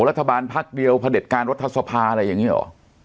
รัฐบาลพักเดียวพระเด็จการรัฐสภาอะไรอย่างนี้หรอ